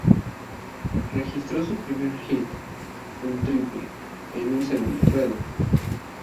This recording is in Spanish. Registró su primer hit, un triple, en su segundo juego.